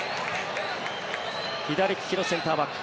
左利きのセンターバック